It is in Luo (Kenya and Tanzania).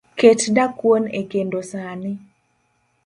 ket dakuon e kendo sani.